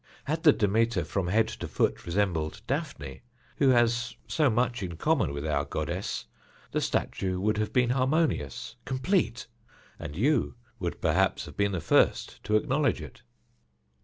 Had the Demeter from head to foot resembled Daphne, who has so much in common with our goddess, the statue would have been harmonious, complete, and you would perhaps have been the first to acknowledge it."